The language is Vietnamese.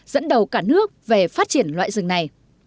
dẫn đầu cả nước về phát triển loại rừng này